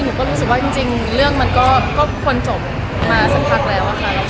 หนูก็รู้สึกว่าจริงเรื่องมันก็ควรจบมาสักพักแล้วอะค่ะ